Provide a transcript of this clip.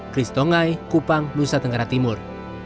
kristongai kupang nusa tenggara timur